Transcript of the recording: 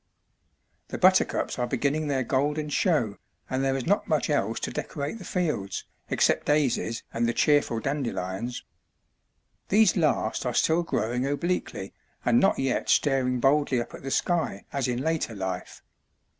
The buttercups are beginning their golden show, and there is not much else to decorate the fields, except daisies and the cheerful dandelions. These last are still growing obliquely, and not yet staring boldly up at the sky, as in later life.